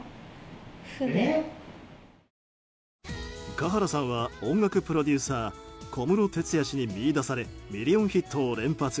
華原さんは音楽プロデューサー小室哲哉氏に見いだされミリオンヒットを連発。